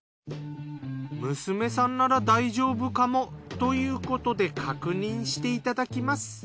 娘さんなら大丈夫かもということで確認していただきます。